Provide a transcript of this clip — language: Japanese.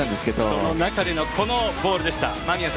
その中でのこのボールでした。